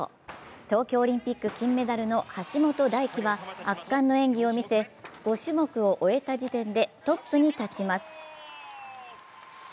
東京オリンピック金メダルの橋本大輝は圧巻の演技を見せ、５種目を終えた時点でトップに立ちます。